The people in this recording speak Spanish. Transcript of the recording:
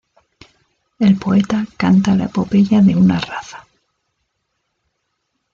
El poeta canta la epopeya de una raza.